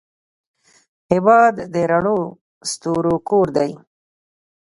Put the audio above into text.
هېواد د رڼو ستورو کور دی.